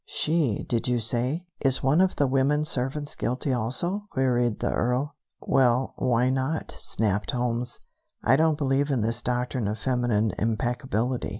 "She, did you say? Is one of the women servants guilty also?" queried the Earl. "Well, why not?" snapped Holmes. "I don't believe in this doctrine of feminine impeccability.